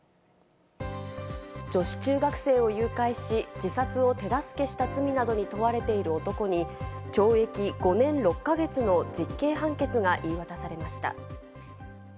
女子中学生を誘拐し、自殺を手助けした罪などに問われている男に懲役５年６か月の実刑判決が言い渡されました。